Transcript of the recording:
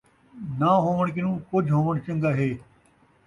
ناں ہووݨ کنوں ، کجھ ہووݨ چن٘ڳا ہے